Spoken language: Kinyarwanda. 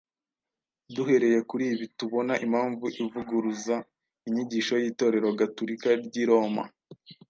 Duhereye kuri ibi tubona impamvu ivuguruza inyigisho y’Itorero Gatulika ry’i Roma